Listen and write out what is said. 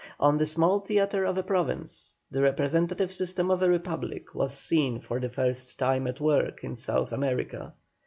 On the small theatre of a province, the representative system of a republic was seen for the first time at work in South America.